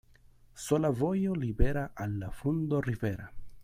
Sola vojo libera al la fundo rivera.